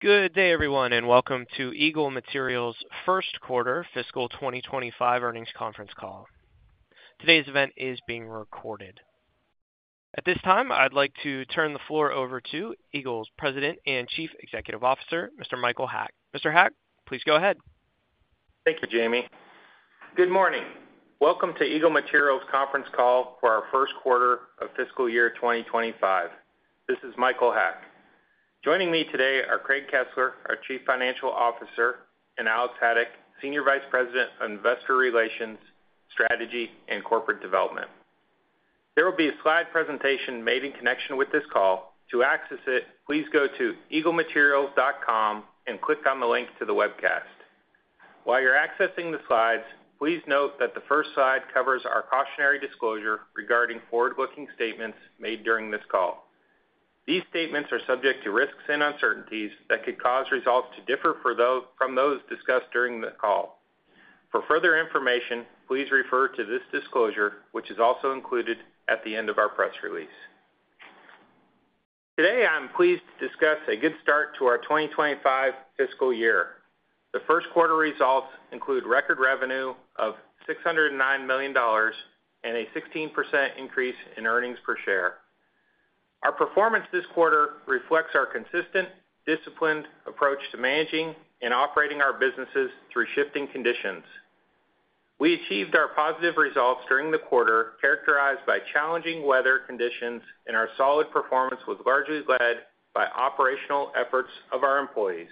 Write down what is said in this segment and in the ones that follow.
Good day, everyone, and welcome to Eagle Materials' first quarter fiscal 2025 earnings conference call. Today's event is being recorded. At this time, I'd like to turn the floor over to Eagle's President and Chief Executive Officer, Mr. Michael Haack. Mr. Haack, please go ahead. Thank you, Jamie. Good morning. Welcome to Eagle Materials conference call for our first quarter of fiscal year 2025. This is Michael Haack. Joining me today are Craig Kesler, our Chief Financial Officer, and Alex Haddock, Senior Vice President of Investor Relations, Strategy, and Corporate Development. There will be a slide presentation made in connection with this call. To access it, please go to eaglematerials.com and click on the link to the webcast. While you're accessing the slides, please note that the first slide covers our cautionary disclosure regarding forward-looking statements made during this call. These statements are subject to risks and uncertainties that could cause results to differ from those discussed during the call. For further information, please refer to this disclosure, which is also included at the end of our press release. Today, I'm pleased to discuss a good start to our 2025 fiscal year. The first quarter results include record revenue of $609 million and a 16% increase in earnings per share. Our performance this quarter reflects our consistent, disciplined approach to managing and operating our businesses through shifting conditions. We achieved our positive results during the quarter, characterized by challenging weather conditions, and our solid performance was largely led by operational efforts of our employees.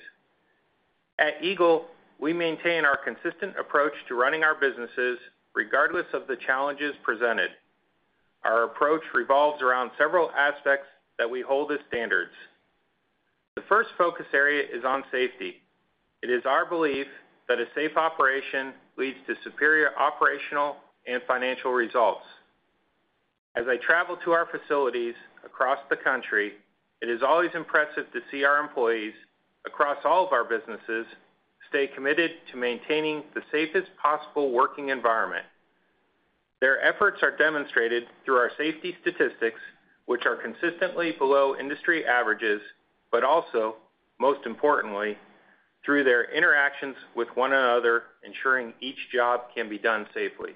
At Eagle, we maintain our consistent approach to running our businesses regardless of the challenges presented. Our approach revolves around several aspects that we hold as standards. The first focus area is on safety. It is our belief that a safe operation leads to superior operational and financial results. As I travel to our facilities across the country, it is always impressive to see our employees across all of our businesses stay committed to maintaining the safest possible working environment. Their efforts are demonstrated through our safety statistics, which are consistently below industry averages, but also, most importantly, through their interactions with one another, ensuring each job can be done safely.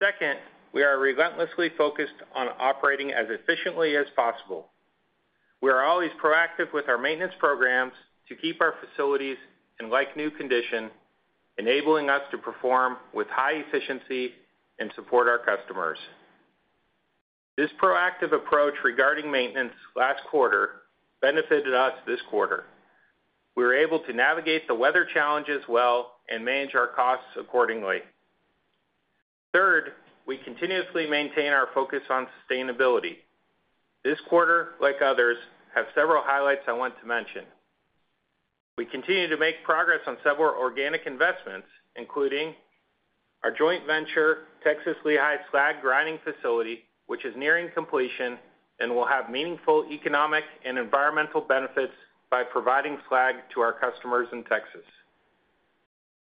Second, we are relentlessly focused on operating as efficiently as possible. We are always proactive with our maintenance programs to keep our facilities in like-new condition, enabling us to perform with high efficiency and support our customers. This proactive approach regarding maintenance last quarter benefited us this quarter. We were able to navigate the weather challenges well and manage our costs accordingly. Third, we continuously maintain our focus on sustainability. This quarter, like others, have several highlights I want to mention. We continue to make progress on several organic investments, including our joint venture, Texas Lehigh slag grinding facility, which is nearing completion and will have meaningful economic and environmental benefits by providing slag to our customers in Texas.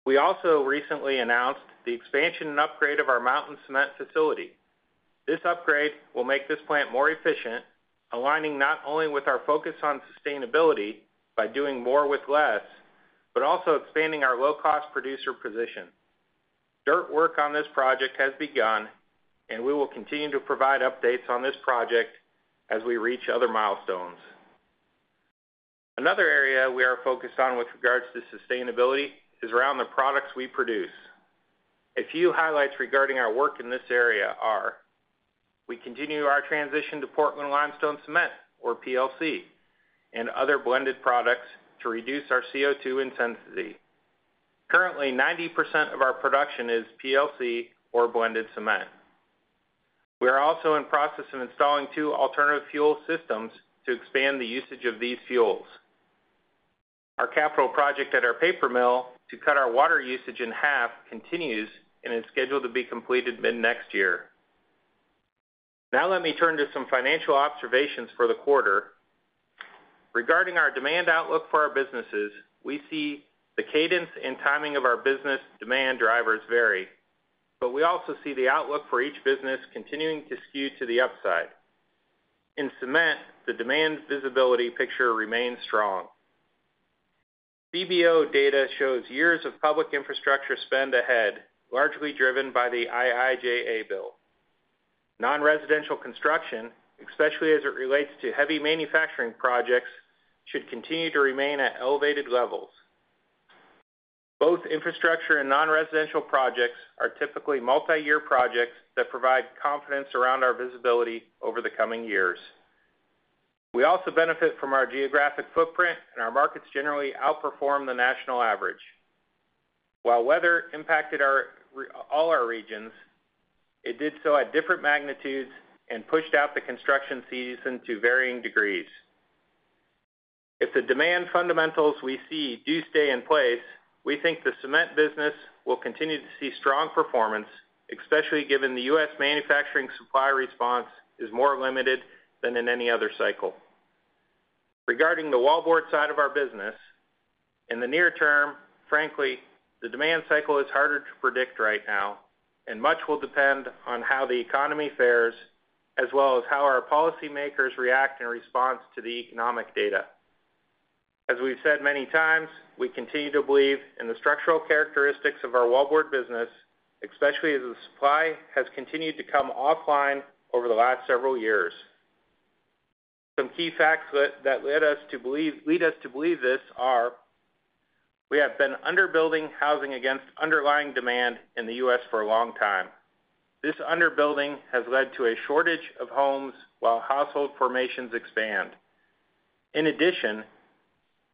We also recently announced the expansion and upgrade of our Mountain Cement facility. This upgrade will make this plant more efficient, aligning not only with our focus on sustainability by doing more with less, but also expanding our low-cost producer position. Dirt work on this project has begun, and we will continue to provide updates on this project as we reach other milestones. Another area we are focused on with regards to sustainability is around the products we produce. A few highlights regarding our work in this area are: we continue our transition to Portland Limestone Cement, or PLC, and other blended products to reduce our CO₂ intensity. Currently, 90% of our production is PLC or blended cement. We are also in process of installing two alternative fuel systems to expand the usage of these fuels. Our capital project at our paper mill to cut our water usage in half continues and is scheduled to be completed mid-next year. Now let me turn to some financial observations for the quarter. Regarding our demand outlook for our businesses, we see the cadence and timing of our business demand drivers vary, but we also see the outlook for each business continuing to skew to the upside. In cement, the demand visibility picture remains strong. CBO data shows years of public infrastructure spend ahead, largely driven by the IIJA Bill. Non-residential construction, especially as it relates to heavy manufacturing projects, should continue to remain at elevated levels. Both infrastructure and non-residential projects are typically multiyear projects that provide confidence around our visibility over the coming years. We also benefit from our geographic footprint, and our markets generally outperform the national average. While weather impacted all our regions, it did so at different magnitudes and pushed out the construction season to varying degrees. If the demand fundamentals we see do stay in place, we think the cement business will continue to see strong performance, especially given the U.S. manufacturing supply response is more limited than in any other cycle. Regarding the wallboard side of our business. In the near term, frankly, the demand cycle is harder to predict right now, and much will depend on how the economy fares, as well as how our policymakers react in response to the economic data. As we've said many times, we continue to believe in the structural characteristics of our wallboard business, especially as the supply has continued to come offline over the last several years. Some key facts that led us to believe lead us to believe this are: we have been under-building housing against underlying demand in the U.S. for a long time. This under-building has led to a shortage of homes while household formations expand. In addition,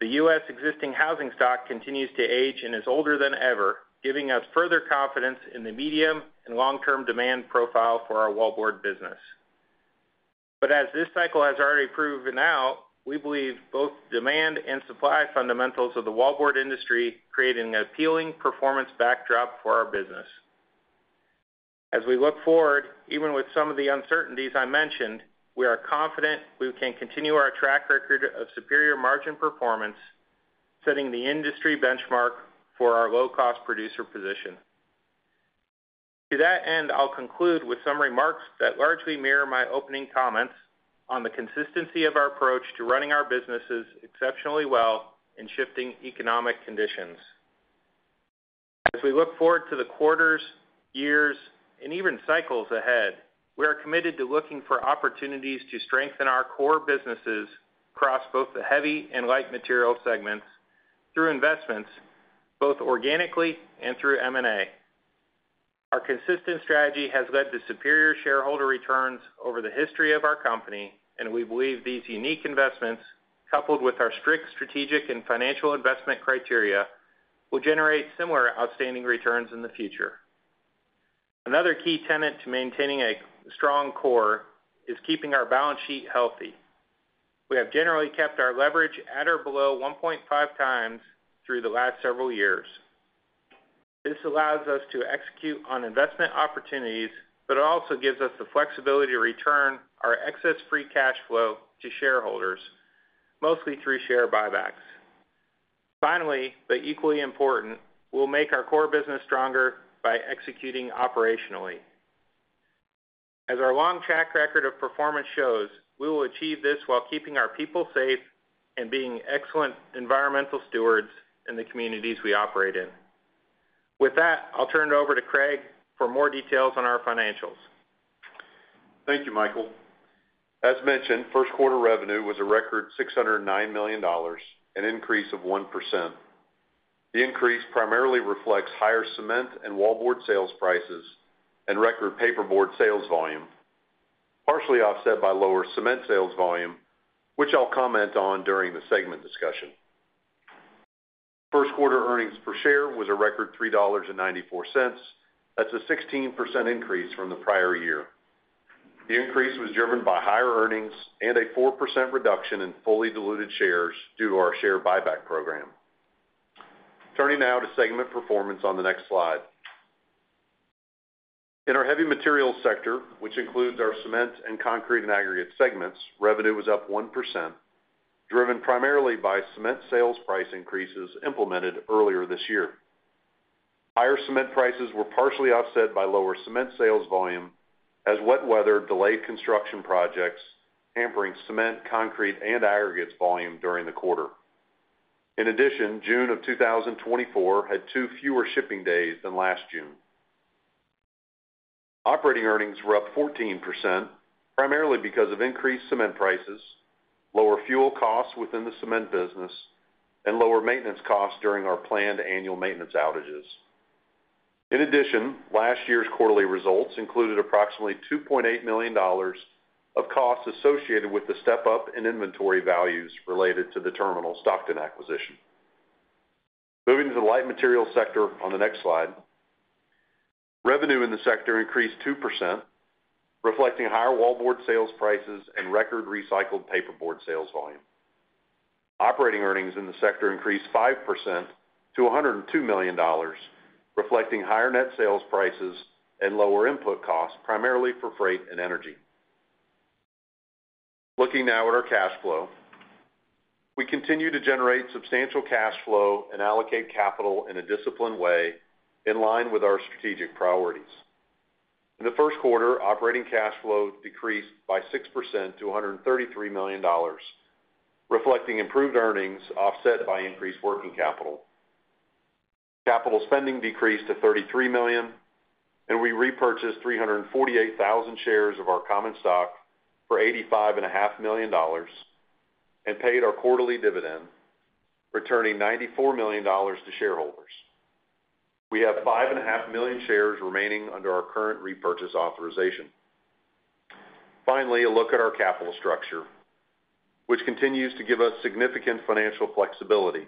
the U.S. existing housing stock continues to age and is older than ever, giving us further confidence in the medium and long-term demand profile for our wallboard business. But as this cycle has already proven out, we believe both demand and supply fundamentals of the wallboard industry create an appealing performance backdrop for our business. As we look forward, even with some of the uncertainties I mentioned, we are confident we can continue our track record of superior margin performance, setting the industry benchmark for our low-cost producer position. To that end, I'll conclude with some remarks that largely mirror my opening comments on the consistency of our approach to running our businesses exceptionally well in shifting economic conditions. As we look forward to the quarters, years, and even cycles ahead, we are committed to looking for opportunities to strengthen our core businesses across both the heavy and light material segments through investments, both organically and through M&A. Our consistent strategy has led to superior shareholder returns over the history of our company, and we believe these unique investments, coupled with our strict strategic and financial investment criteria, will generate similar outstanding returns in the future. Another key tenet to maintaining a strong core is keeping our balance sheet healthy. We have generally kept our leverage at or below 1.5 times through the last several years. This allows us to execute on investment opportunities, but it also gives us the flexibility to return our excess free cash flow to shareholders, mostly through share buybacks. Finally, but equally important, we'll make our core business stronger by executing operationally. As our long track record of performance shows, we will achieve this while keeping our people safe and being excellent environmental stewards in the communities we operate in. With that, I'll turn it over to Craig for more details on our financials. Thank you, Michael. As mentioned, first quarter revenue was a record $609 million, an increase of 1%. The increase primarily reflects higher cement and wallboard sales prices and record paperboard sales volume, partially offset by lower cement sales volume, which I'll comment on during the segment discussion. First quarter earnings per share was a record $3.94. That's a 16% increase from the prior year. The increase was driven by higher earnings and a 4% reduction in fully diluted shares due to our share buyback program. Turning now to segment performance on the next slide. In our heavy materials sector, which includes our cement and concrete and aggregate segments, revenue was up 1%, driven primarily by cement sales price increases implemented earlier this year. Higher cement prices were partially offset by lower cement sales volume, as wet weather delayed construction projects, hampering cement, concrete, and aggregates volume during the quarter. In addition, June 2024 had 2 fewer shipping days than last June. Operating earnings were up 14%, primarily because of increased cement prices, lower fuel costs within the cement business, and lower maintenance costs during our planned annual maintenance outages. In addition, last year's quarterly results included approximately $2.8 million of costs associated with the step-up in inventory values related to the Terminal Stockton acquisition. Moving to the light material sector on the next slide. Revenue in the sector increased 2%, reflecting higher wallboard sales prices and record recycled paperboard sales volume. Operating earnings in the sector increased 5% to $102 million, reflecting higher net sales prices and lower input costs, primarily for freight and energy. Looking now at our cash flow. We continue to generate substantial cash flow and allocate capital in a disciplined way, in line with our strategic priorities. In the first quarter, operating cash flow decreased by 6% to $133 million, reflecting improved earnings offset by increased working capital. Capital spending decreased to $33 million, and we repurchased 348,000 shares of our common stock for $85.5 million and paid our quarterly dividend, returning $94 million to shareholders. We have 5.5 million shares remaining under our current repurchase authorization. Finally, a look at our capital structure, which continues to give us significant financial flexibility.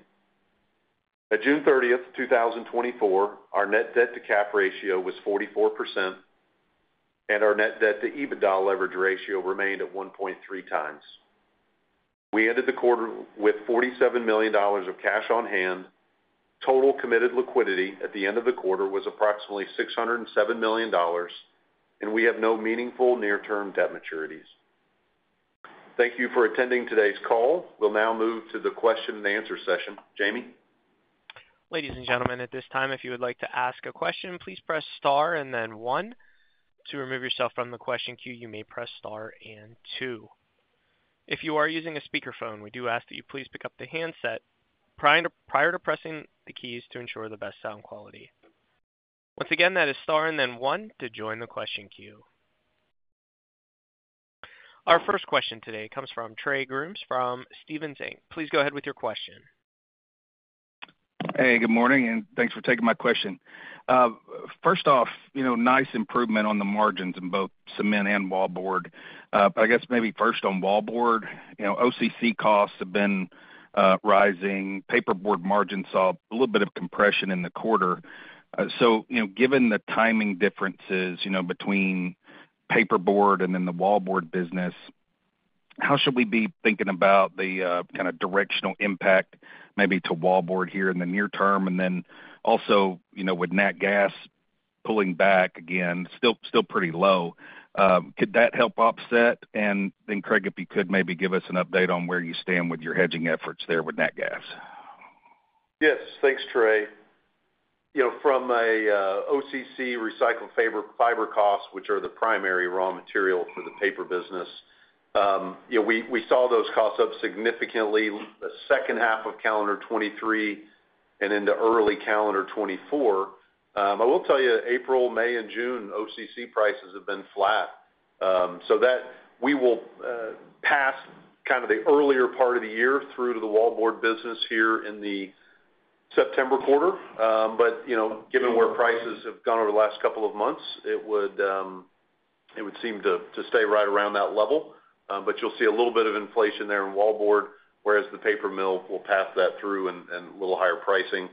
At June 30, 2024, our Net Debt to Cap Ratio was 44%, and our Net Debt to EBITDA leverage ratio remained at 1.3 times. We ended the quarter with $47 million of cash on hand. Total committed liquidity at the end of the quarter was approximately $607 million, and we have no meaningful near-term debt maturities. Thank you for attending today's call. We'll now move to the question-and-answer session. Jamie? Ladies and gentlemen, at this time, if you would like to ask a question, please press Star and then One. To remove yourself from the question queue, you may press Star and Two. If you are using a speakerphone, we do ask that you please pick up the handset prior to pressing the keys to ensure the best sound quality. Once again, that is Star and then One to join the question queue. Our first question today comes from Trey Grooms from Stephens Inc. Please go ahead with your question. Hey, good morning, and thanks for taking my question. First off, you know, nice improvement on the margins in both cement and wallboard. But I guess maybe first on wallboard, you know, OCC costs have been rising. Paperboard margins saw a little bit of compression in the quarter. So, you know, given the timing differences, you know, between paperboard and then the wallboard business, how should we be thinking about the kind of directional impact, maybe to wallboard here in the near term? And then also, you know, with nat gas pulling back again, still pretty low, could that help offset? And then, Craig, if you could maybe give us an update on where you stand with your hedging efforts there with nat gas. Yes. Thanks, Trey. You know, from a OCC recycled fiber, fiber costs, which are the primary raw material for the paper business, you know, we saw those costs up significantly the second half of calendar 2023 and into early calendar 2024. I will tell you, April, May and June, OCC prices have been flat. So that we will pass kind of the earlier part of the year through to the wallboard business here in the September quarter. But you know, given where prices have gone over the last couple of months, it would seem to stay right around that level. But you'll see a little bit of inflation there in wallboard, whereas the paper mill will pass that through and a little higher pricing.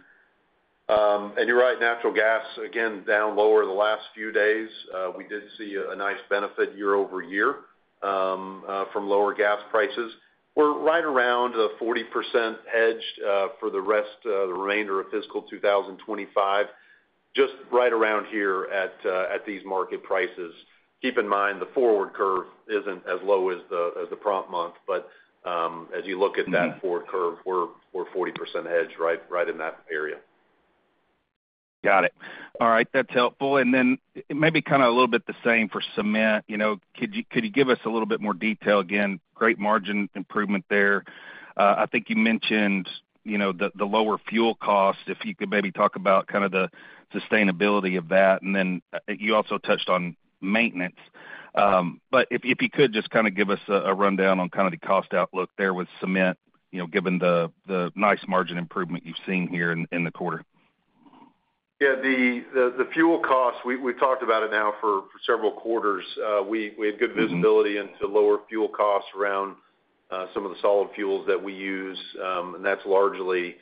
And you're right, natural gas, again, down lower the last few days. We did see a nice benefit year-over-year from lower gas prices. We're right around a 40% hedged for the remainder of fiscal 2025, just right around here at these market prices. Keep in mind, the forward curve isn't as low as the prompt month, but as you look at that forward curve, we're 40% hedged, right in that area. Got it. All right, that's helpful. And then maybe kind of a little bit the same for cement. You know, could you, could you give us a little bit more detail? Again, great margin improvement there. I think you mentioned, you know, the lower fuel cost. If you could maybe talk about kind of the sustainability of that, and then, you also touched on maintenance. But if, if you could, just kind of give us a, a rundown on kind of the cost outlook there with cement, you know, given the nice margin improvement you've seen here in the quarter. Yeah, the fuel costs, we've talked about it now for several quarters. We had good visibility into lower fuel costs around some of the solid fuels that we use. And that's largely,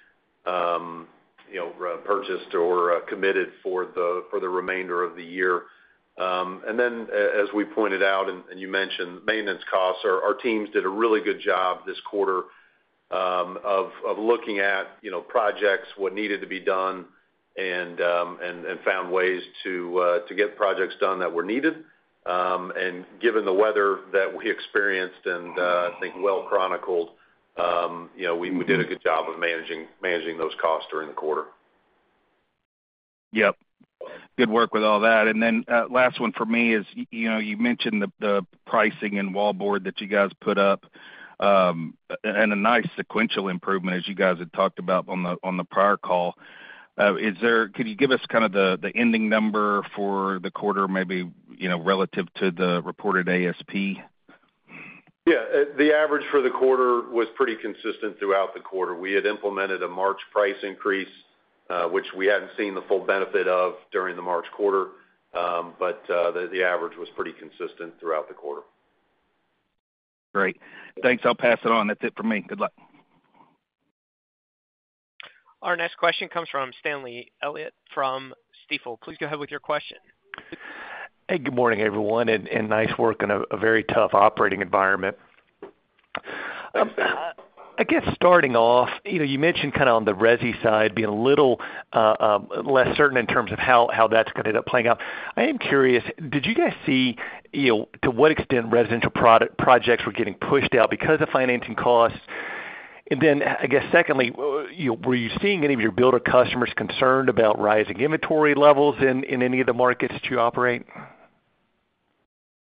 you know, purchased or committed for the remainder of the year. And then, as we pointed out and you mentioned, maintenance costs. Our teams did a really good job this quarter of looking at, you know, projects, what needed to be done, and found ways to get projects done that were needed. And given the weather that we experienced and I think well chronicled, you know, we did a good job of managing those costs during the quarter. Yep. Good work with all that. And then, last one for me is, you know, you mentioned the pricing in wallboard that you guys put up, and a nice sequential improvement, as you guys had talked about on the prior call. Is there could you give us kind of the ending number for the quarter, maybe, you know, relative to the reported ASP? Yeah. The average for the quarter was pretty consistent throughout the quarter. We had implemented a March price increase, which we hadn't seen the full benefit of during the March quarter. But the average was pretty consistent throughout the quarter. Great. Thanks. I'll pass it on. That's it for me. Good luck. Our next question comes from Stanley Elliott from Stifel. Please go ahead with your question. Hey, good morning, everyone, and nice work in a very tough operating environment. I guess starting off, you know, you mentioned kind of on the resi side being a little less certain in terms of how that's gonna end up playing out. I am curious, did you guys see, you know, to what extent residential projects were getting pushed out because of financing costs? And then, I guess secondly, you know, were you seeing any of your builder customers concerned about rising inventory levels in any of the markets that you operate?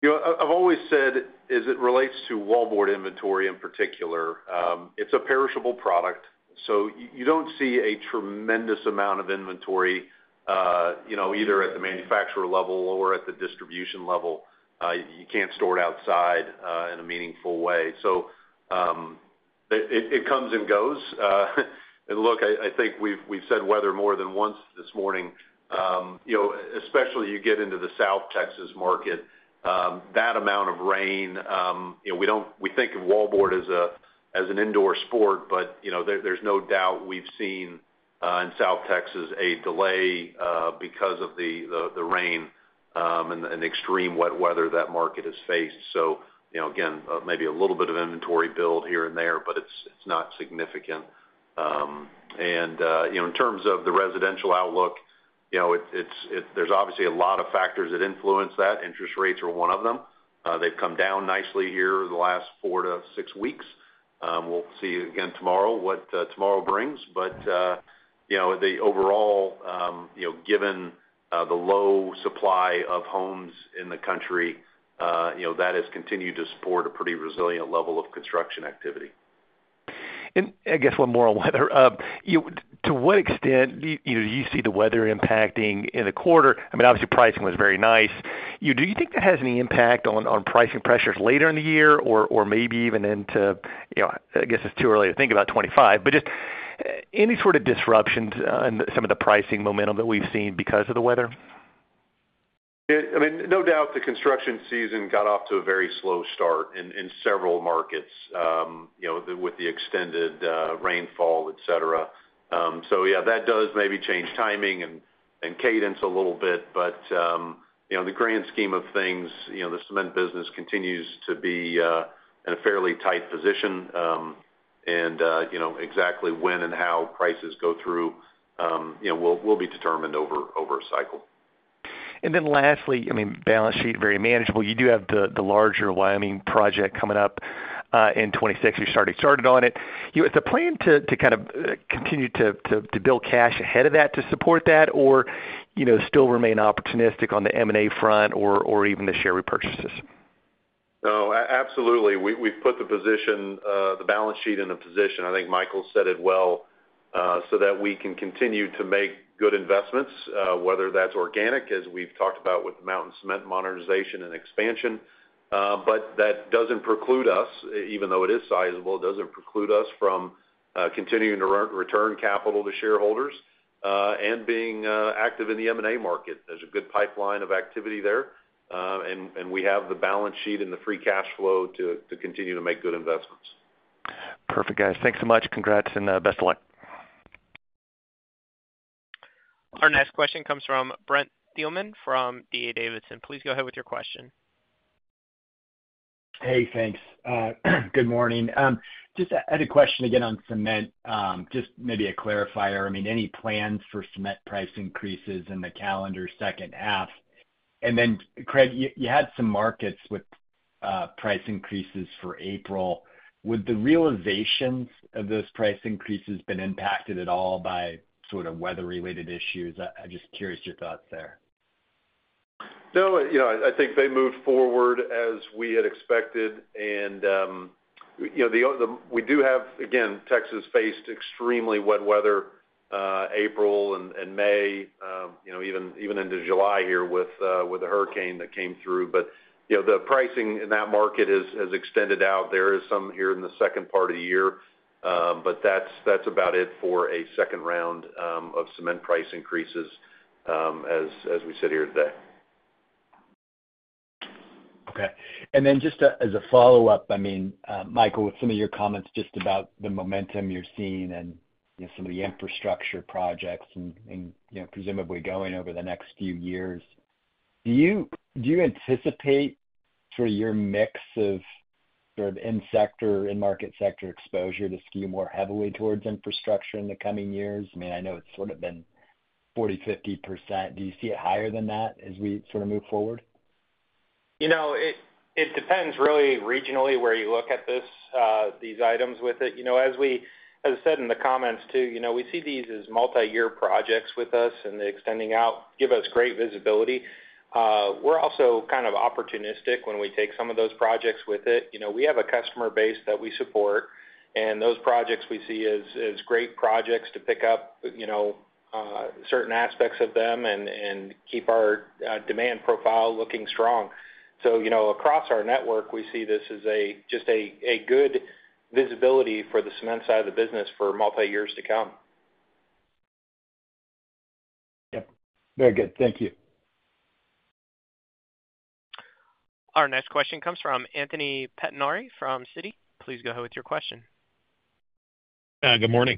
You know, I've always said, as it relates to wallboard inventory in particular, it's a perishable product, so you don't see a tremendous amount of inventory, you know, either at the manufacturer level or at the distribution level. You can't store it outside, in a meaningful way. So, it comes and goes. And look, I think we've said weather more than once this morning. You know, especially you get into the South Texas market, that amount of rain, you know, we don't we think of wallboard as an indoor sport, but, you know, there's no doubt we've seen, in South Texas, a delay, because of the rain, and extreme wet weather that market has faced. So, you know, again, maybe a little bit of inventory build here and there, but it's not significant. And, you know, in terms of the residential outlook, you know, it's there's obviously a lot of factors that influence that. Interest rates are one of them. They've come down nicely here over the last four to six weeks. We'll see again tomorrow what tomorrow brings. But, you know, the overall, you know, given the low supply of homes in the country, you know, that has continued to support a pretty resilient level of construction activity. I guess one more on weather. To what extent, you know, do you see the weather impacting in the quarter? I mean, obviously, pricing was very nice. Do you think that has any impact on pricing pressures later in the year, or maybe even into, you know, I guess it's too early to think about 2025, but just any sort of disruptions in some of the pricing momentum that we've seen because of the weather? Yeah, I mean, no doubt, the construction season got off to a very slow start in several markets, you know, with the extended rainfall, et cetera. So yeah, that does maybe change timing and cadence a little bit, but, you know, in the grand scheme of things, you know, the cement business continues to be in a fairly tight position. And, you know, exactly when and how prices go through, you know, will be determined over a cycle. And then lastly, I mean, balance sheet, very manageable. You do have the larger Wyoming project coming up in 2026. You started on it. Is the plan to kind of continue to build cash ahead of that, to support that, or, you know, still remain opportunistic on the M&A front or even the share repurchases? No, absolutely. We've put the balance sheet in a position, I think Michael said it well, so that we can continue to make good investments, whether that's organic, as we've talked about with the Mountain Cement modernization and expansion. But that doesn't preclude us, even though it is sizable, from continuing to return capital to shareholders, and being active in the M&A market. There's a good pipeline of activity there. And we have the balance sheet and the free cash flow to continue to make good investments. Perfect, guys. Thanks so much. Congrats and best of luck. Our next question comes from Brent Thielman from D.A. Davidson. Please go ahead with your question. Hey, thanks. Good morning. Just, I had a question again on cement, just maybe a clarifier. I mean, any plans for cement price increases in the calendar second half? And then, Craig, you had some markets with price increases for April. Would the realizations of those price increases been impacted at all by sort of weather-related issues? I'm just curious your thoughts there. No, you know, I think they moved forward as we had expected. And, you know, we do have, again, Texas faced extremely wet weather, April and May, you know, even into July here with the hurricane that came through. But, you know, the pricing in that market has extended out. There is some here in the second part of the year, but that's about it for a second round of cement price increases, as we sit here today. Okay. And then just as a follow-up, I mean, Michael, with some of your comments just about the momentum you're seeing and, you know, some of the infrastructure projects and, you know, presumably going over the next few years. Do you, do you anticipate for your mix of sort of end sector, end market sector exposure to skew more heavily towards infrastructure in the coming years? I mean, I know it's sort of been 40%-50%. Do you see it higher than that as we sort of move forward? You know, it depends really regionally, where you look at this, these items with it. You know, as I said in the comments, too, you know, we see these as multiyear projects with us, and they're extending out, give us great visibility. We're also kind of opportunistic when we take some of those projects with it. You know, we have a customer base that we support, and those projects we see as, as great projects to pick up, you know, certain aspects of them and, and keep our, demand profile looking strong. So, you know, across our network, we see this as a, just a, a good visibility for the cement side of the business for multi years to come. Yeah. Very good. Thank you. Our next question comes from Anthony Pettinari from Citi. Please go ahead with your question. Good morning.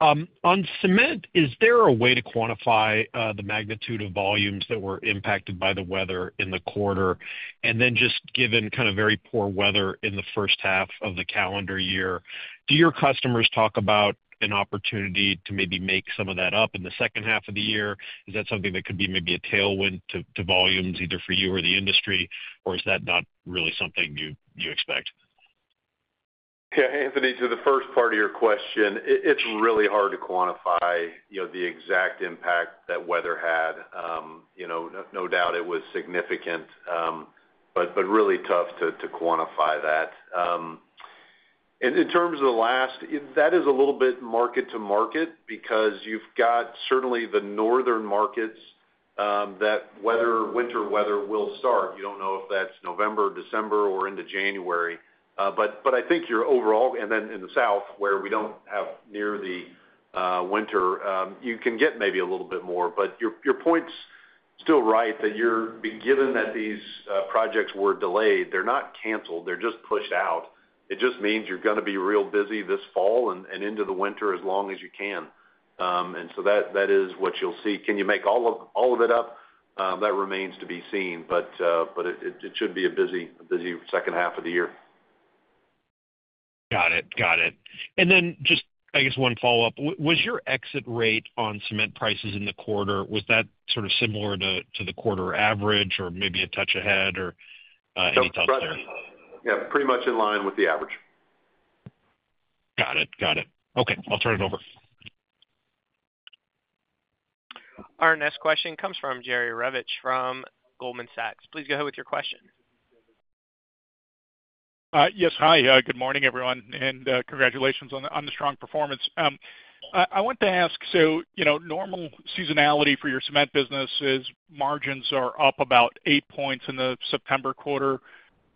On cement, is there a way to quantify the magnitude of volumes that were impacted by the weather in the quarter? And then just given kind of very poor weather in the first half of the calendar year, do your customers talk about an opportunity to maybe make some of that up in the second half of the year? Is that something that could be maybe a tailwind to volumes, either for you or the industry, or is that not really something you expect? Yeah, Anthony, to the first part of your question, it's really hard to quantify, you know, the exact impact that weather had. You know, no doubt it was significant, but really tough to quantify that. And in terms of the last, that is a little bit market-to-market, because you've got certainly the northern markets, that winter weather will start. You don't know if that's November or December or into January. But I think your overall. And then in the south, where we don't have near the winter, you can get maybe a little bit more, but your point's still right, that you're given that these projects were delayed, they're not canceled, they're just pushed out. It just means you're gonna be real busy this fall and into the winter as long as you can. And so that is what you'll see. Can you make all of it up? That remains to be seen, but it should be a busy, busy second half of the year. Got it. Got it. And then just, I guess, one follow-up. Was your exit rate on cement prices in the quarter sort of similar to the quarter average or maybe a touch ahead, or any thoughts there? Yeah, pretty much in line with the average. Got it. Got it. Okay, I'll turn it over. Our next question comes from Jerry Revich from Goldman Sachs. Please go ahead with your question. Yes. Hi, good morning, everyone, and congratulations on the strong performance. I want to ask, so, you know, normal seasonality for your cement business is margins are up about 8 points in the September quarter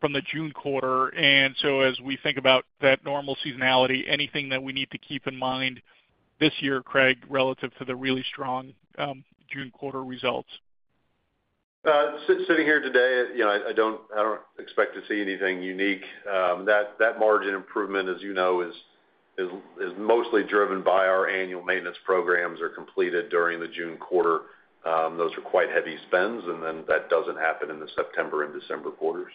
from the June quarter. So as we think about that normal seasonality, anything that we need to keep in mind this year, Craig, relative to the really strong June quarter results? Sitting here today, you know, I don't expect to see anything unique. That margin improvement, as you know, is mostly driven by our annual maintenance programs are completed during the June quarter. Those are quite heavy spends, and then that doesn't happen in the September and December quarters.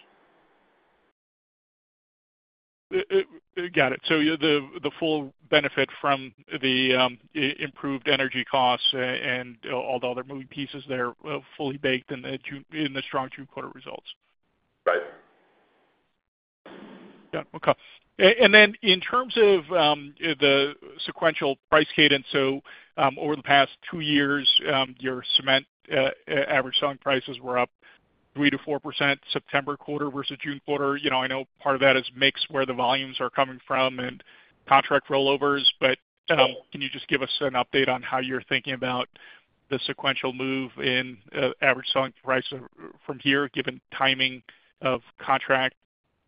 Got it. So you have the full benefit from the improved energy costs and all the other moving pieces there, fully baked in the strong June quarter results? Right. Yeah. Okay. And then in terms of the sequential price cadence, so over the past two years, your cement average selling prices were up 3%-4%, September quarter versus June quarter. You know, I know part of that is mix, where the volumes are coming from and contract rollovers. But can you just give us an update on how you're thinking about the sequential move in average selling price from here, given timing of contract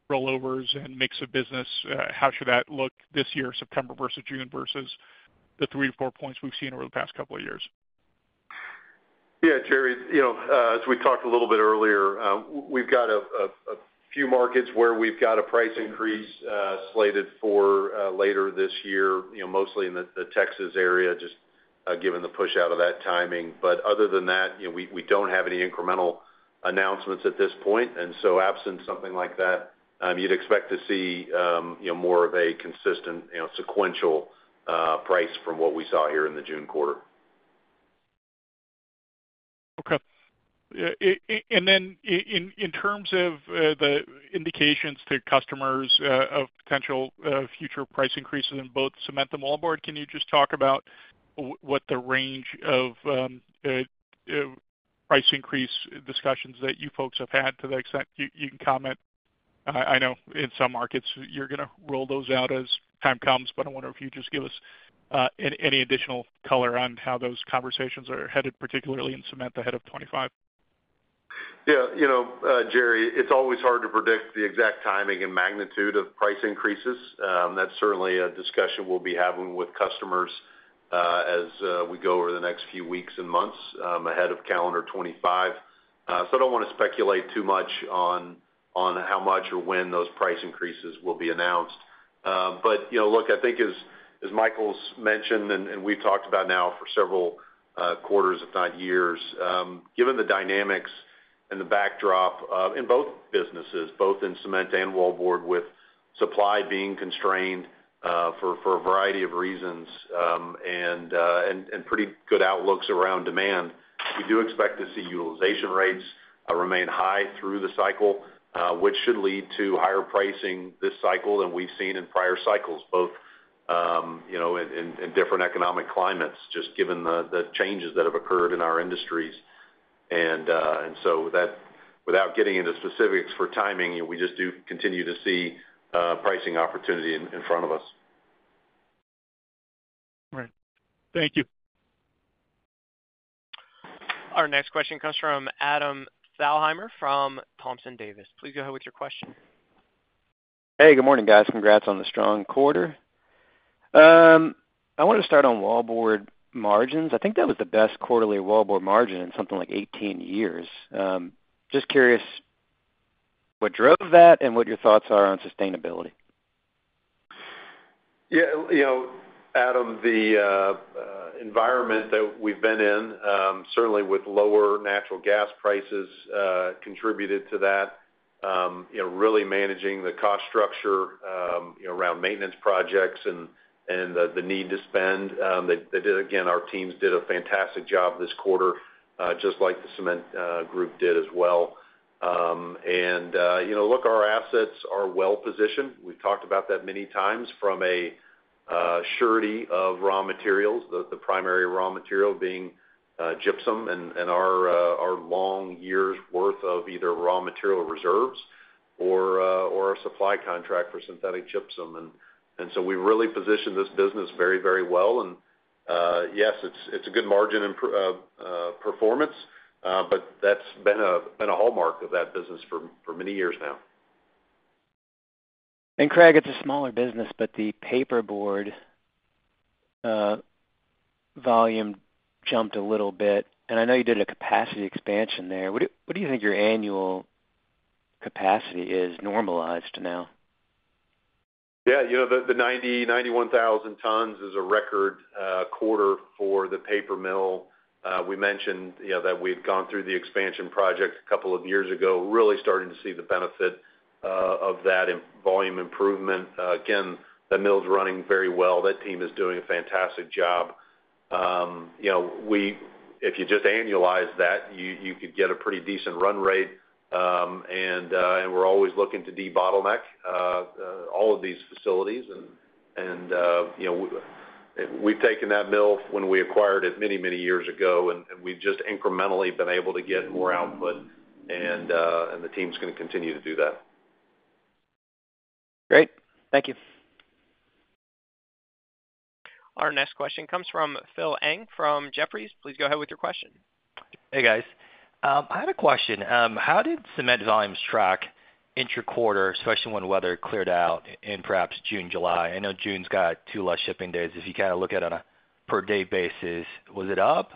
rollovers and mix of business? How should that look this year, September versus June, versus the 3-4 points we've seen over the past couple of years? Yeah, Jerry, you know, as we talked a little bit earlier, we've got a few markets where we've got a price increase slated for later this year, you know, mostly in the Texas area, just given the push out of that timing. But other than that, you know, we don't have any incremental announcements at this point, and so absent something like that, you'd expect to see, you know, more of a consistent, you know, sequential price from what we saw here in the June quarter. Okay. And then in terms of the indications to customers of potential future price increases in both cement and wallboard, can you just talk about what the range of price increase discussions that you folks have had, to the extent you can comment? I know in some markets, you're gonna roll those out as time comes, but I wonder if you'd just give us any additional color on how those conversations are headed, particularly in cement, ahead of 2025. Yeah, you know, Jerry, it's always hard to predict the exact timing and magnitude of price increases. That's certainly a discussion we'll be having with customers, as we go over the next few weeks and months, ahead of calendar 2025. So I don't wanna speculate too much on, on how much or when those price increases will be announced. But, you know, look, I think as Michael's mentioned, and we've talked about now for several quarters, if not years, given the dynamics and the backdrop in both businesses, both in cement and wallboard, with supply being constrained for a variety of reasons, and pretty good outlooks around demand, we do expect to see utilization rates remain high through the cycle, which should lead to higher pricing this cycle than we've seen in prior cycles, both, you know, in different economic climates, just given the changes that have occurred in our industries. And so that, without getting into specifics for timing, we just do continue to see pricing opportunity in front of us. Right. Thank you. Our next question comes from Adam Thalhimer, from Thompson Davis. Please go ahead with your question. Hey, good morning, guys. Congrats on the strong quarter. I wanted to start on wallboard margins. I think that was the best quarterly wallboard margin in something like 18 years. Just curious what drove that and what your thoughts are on sustainability. Yeah, you know, Adam, the environment that we've been in, certainly with lower natural gas prices, contributed to that. You know, really managing the cost structure around maintenance projects and the need to spend. Again, our teams did a fantastic job this quarter, just like the cement group did as well. And you know, look, our assets are well positioned. We've talked about that many times from a surety of raw materials, the primary raw material being gypsum and our long years' worth of either raw material reserves or a supply contract for synthetic gypsum. And so we really positioned this business very, very well. Yes, it's a good margin and performance, but that's been a hallmark of that business for many years now. Craig, it's a smaller business, but the paperboard volume jumped a little bit, and I know you did a capacity expansion there. What do you think your annual capacity is normalized now? Yeah, you know, the 90,000-91000 tons is a record quarter for the paper mill. We mentioned, you know, that we'd gone through the expansion project a couple of years ago, really starting to see the benefit of that in volume improvement. Again, the mill's running very well. That team is doing a fantastic job. You know, if you just annualize that, you could get a pretty decent run rate, and we're always looking to debottleneck all of these facilities. And, you know, we've taken that mill when we acquired it many, many years ago, and we've just incrementally been able to get more output, and the team's gonna continue to do that. Great, thank you. Our next question comes from Phil Ng from Jefferies. Please go ahead with your question. Hey, guys. I had a question. How did cement volumes track interquarter, especially when weather cleared out in perhaps June, July? I know June's got 2 fewer shipping days. If you kind of look at it on a per-day basis, was it up?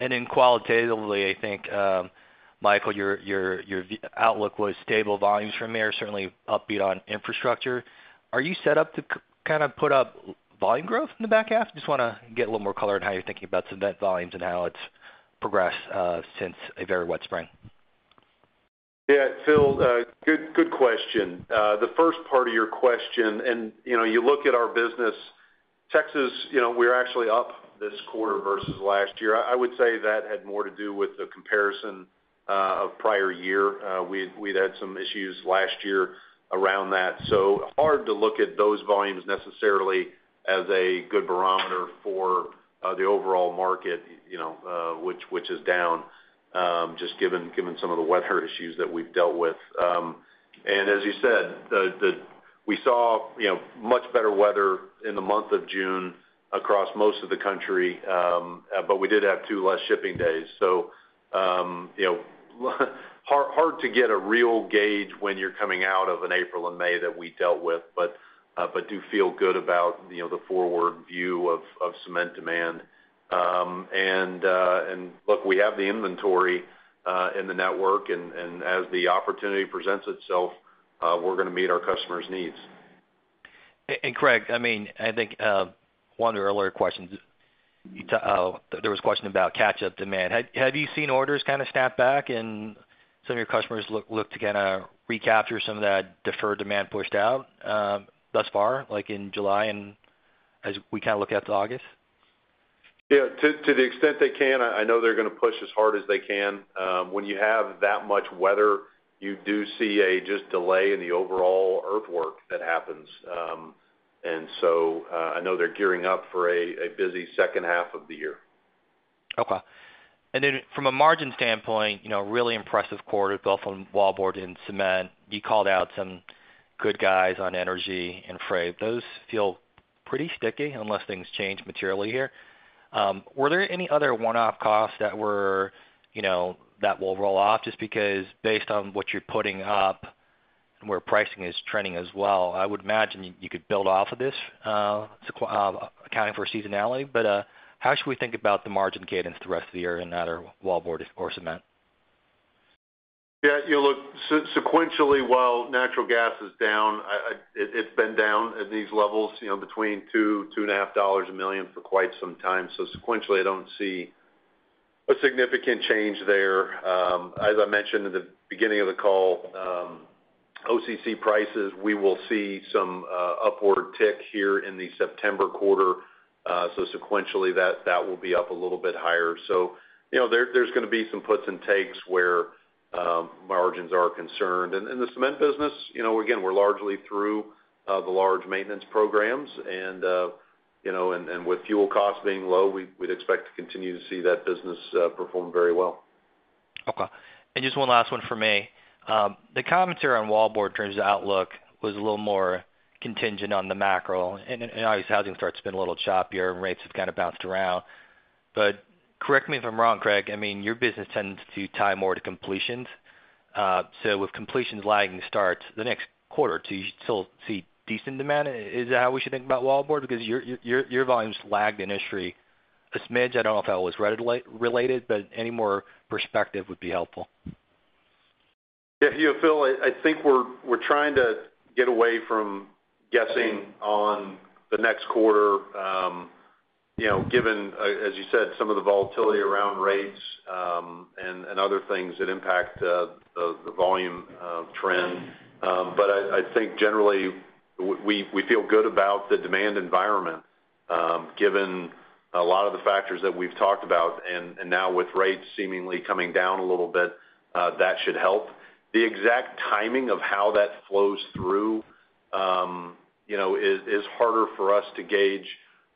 And then qualitatively, I think, Michael, your outlook was stable volumes from there, certainly upbeat on infrastructure. Are you set up to kind of put up volume growth in the back half? Just wanna get a little more color on how you're thinking about cement volumes and how it's progressed since a very wet spring. Yeah, Phil, good, good question. The first part of your question, and, you know, you look at our business, Texas, you know, we're actually up this quarter versus last year. I would say that had more to do with the comparison of prior year. We'd had some issues last year around that. So hard to look at those volumes necessarily as a good barometer for the overall market, you know, which is down, just given some of the weather issues that we've dealt with. And as you said, the, the. We saw, you know, much better weather in the month of June across most of the country, but we did have two less shipping days. So, you know, hard to get a real gauge when you're coming out of an April and May that we dealt with, but do feel good about, you know, the forward view of cement demand. And look, we have the inventory in the network, and as the opportunity presents itself, we're gonna meet our customers' needs. Craig, I mean, I think one of the earlier questions, there was a question about catch-up demand. Have you seen orders kind of snap back and some of your customers look to kind of recapture some of that deferred demand pushed out, thus far, like in July and as we kind of look out to August? Yeah, to the extent they can, I know they're gonna push as hard as they can. When you have that much weather, you do see just a delay in the overall earthwork that happens. And so, I know they're gearing up for a busy second half of the year. Okay. And then from a margin standpoint, you know, really impressive quarter, both on wallboard and cement. You called out some good guys on energy and freight. Those feel pretty sticky, unless things change materially here. Were there any other one-off costs that were, you know, that will roll off? Just because based on what you're putting up and where pricing is trending as well, I would imagine you, you could build off of this, accounting for seasonality. But, how should we think about the margin cadence the rest of the year in either wallboard or cement? Yeah, you know, look, sequentially, while natural gas is down, it's been down at these levels, you know, between $2-$2.5 a million for quite some time. So sequentially, I don't see a significant change there. As I mentioned at the beginning of the call, OCC prices, we will see some upward tick here in the September quarter. So sequentially, that will be up a little bit higher. So, you know, there's gonna be some puts and takes where margins are concerned. And in the cement business, you know, again, we're largely through the large maintenance programs, and with fuel costs being low, we'd expect to continue to see that business perform very well. Okay. And just one last one from me. The commentary on wallboard in terms of outlook was a little more contingent on the macro, and, and obviously, housing starts have been a little choppier, and rates have kind of bounced around. But correct me if I'm wrong, Craig, I mean, your business tends to tie more to completions. So with completions lagging starts, the next quarter, do you still see decent demand? Is that how we should think about wallboard? Because your, your, your volumes lagged the industry a smidge. I don't know if that was weather-related, but any more perspective would be helpful. Yeah, you know, Phil, I think we're trying to get away from guessing on the next quarter, you know, given, as you said, some of the volatility around rates, and other things that impact the volume trend. But I think generally, we feel good about the demand environment, given a lot of the factors that we've talked about, and now with rates seemingly coming down a little bit, that should help. The exact timing of how that flows through, you know, is harder for us to gauge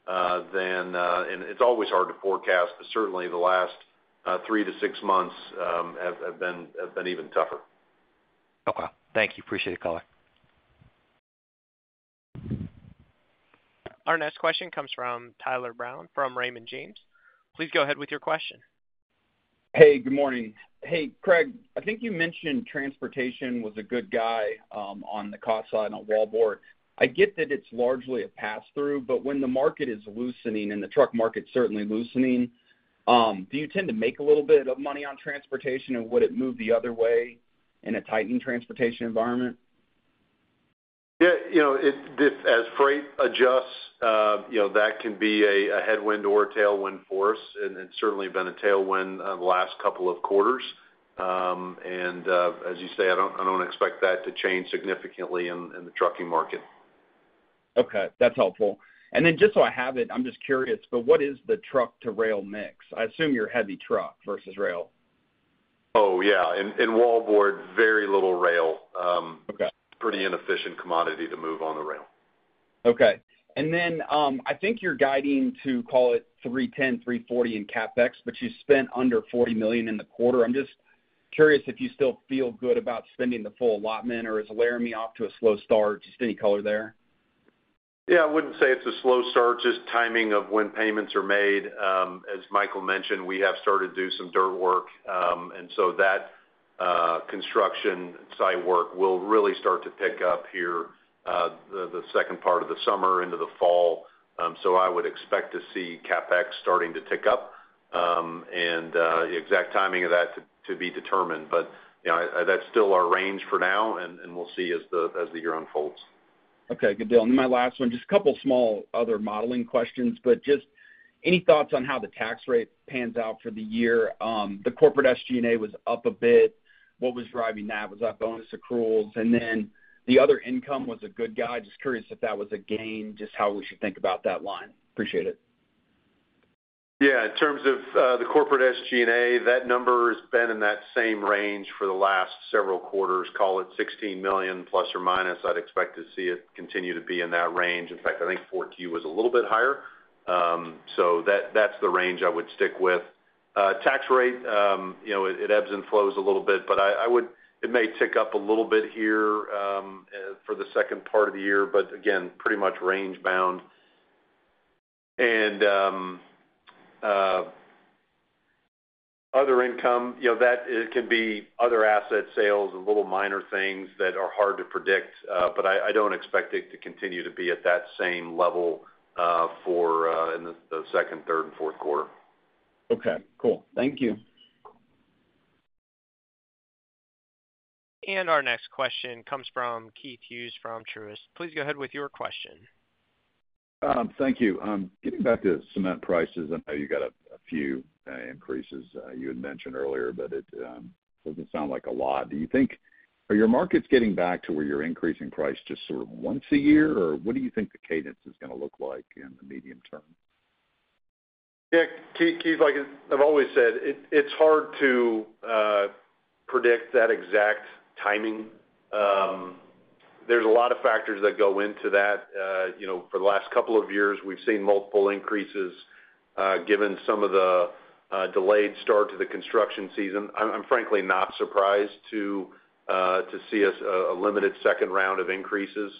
than. And it's always hard to forecast, but certainly the last three to six months have been even tougher. Okay. Thank you. Appreciate the color. Our next question comes from Tyler Brown, from Raymond James. Please go ahead with your question. Hey, good morning. Hey, Craig, I think you mentioned transportation was a good guy, on the cost side on wallboard. I get that it's largely a pass-through, but when the market is loosening, and the truck market's certainly loosening, do you tend to make a little bit of money on transportation, and would it move the other way in a tightened transportation environment? Yeah, you know, this, as freight adjusts, you know, that can be a headwind or a tailwind for us, and it's certainly been a tailwind the last couple of quarters. and, as you say, I don't expect that to change significantly in the trucking market. Okay, that's helpful. Then just so I have it, I'm just curious, but what is the truck-to-rail mix? I assume you're heavy truck versus rail. Oh, yeah. In wallboard, very little rail. Okay. Pretty inefficient commodity to move on the rail. Okay. And then, I think you're guiding to, call it $310-$340 million in CapEx, but you spent under $40 million in the quarter. I'm just curious if you still feel good about spending the full allotment, or is Laramie off to a slow start? Just any color there. Yeah, I wouldn't say it's a slow start, just timing of when payments are made. As Michael mentioned, we have started to do some dirt work. And so that construction site work will really start to pick up here, the second part of the summer into the fall. So I would expect to see CapEx starting to tick up, and the exact timing of that to be determined. But, you know, that's still our range for now, and we'll see as the year unfolds. Okay, good deal. And my last one, just a couple small other modeling questions, but just any thoughts on how the tax rate pans out for the year? The corporate SG&A was up a bit. What was driving that? Was that bonus accruals? And then, the other income was a good guide. Just curious if that was a gain, just how we should think about that line. Appreciate it. Yeah, in terms of, the corporate SG&A, that number has been in that same range for the last several quarters, call it $16 million ±. I'd expect to see it continue to be in that range. In fact, I think 4Q was a little bit higher. So that's the range I would stick with. Tax rate, you know, it ebbs and flows a little bit, but I would, it may tick up a little bit here, for the second part of the year, but again, pretty much range bound. Other income, you know, that it can be other asset sales and little minor things that are hard to predict, but I don't expect it to continue to be at that same level, for in the second, third, and fourth quarter. Okay, cool. Thank you. Our next question comes from Keith Hughes from Truist. Please go ahead with your question. Thank you. Getting back to cement prices, I know you got a few increases you had mentioned earlier, but it doesn't sound like a lot. Do you think. Are your markets getting back to where you're increasing price just sort of once a year, or what do you think the cadence is gonna look like in the medium term? Yeah, Keith, Keith, like I've always said, it's hard to predict that exact timing. There's a lot of factors that go into that. You know, for the last couple of years, we've seen multiple increases, given some of the delayed start to the construction season. I'm frankly not surprised to see us a limited second round of increases.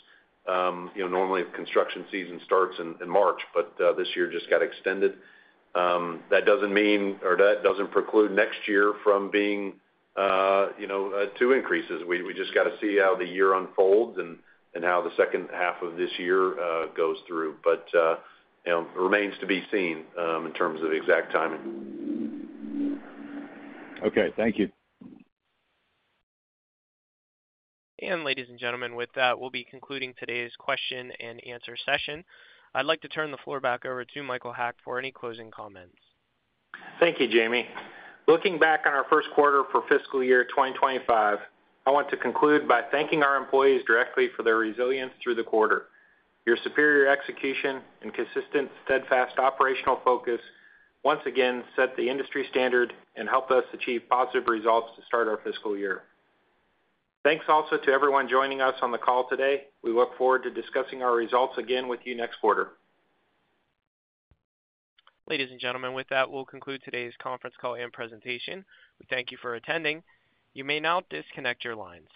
You know, normally, the construction season starts in March, but this year just got extended. That doesn't mean, or that doesn't preclude next year from being, you know, two increases. We just got to see how the year unfolds and how the second half of this year goes through. But you know, remains to be seen in terms of the exact timing. Okay, thank you. Ladies and gentlemen, with that, we'll be concluding today's question and answer session. I'd like to turn the floor back over to Michael Haack for any closing comments. Thank you, Jamie. Looking back on our first quarter for fiscal year 2025, I want to conclude by thanking our employees directly for their resilience through the quarter. Your superior execution and consistent, steadfast operational focus, once again, set the industry standard and helped us achieve positive results to start our fiscal year. Thanks also to everyone joining us on the call today. We look forward to discussing our results again with you next quarter. Ladies and gentlemen, with that, we'll conclude today's conference call and presentation. We thank you for attending. You may now disconnect your lines.